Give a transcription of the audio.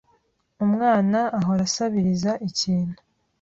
Umwana ahora asabiriza ikintu.